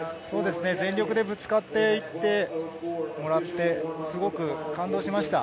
全力でぶつかっていってもらって、すごく感動しました。